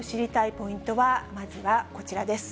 ポイントは、まずはこちらです。